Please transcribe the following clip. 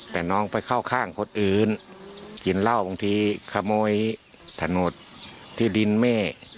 แต่น้องไปเข้าข้างคนอื่นกินเหล้าบางทีขโมยถนนที่ดินแม่